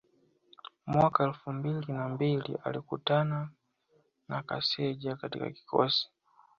mwaka elfu mbili na mbili alikutana na Kaseja katika kikosi